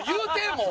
もう。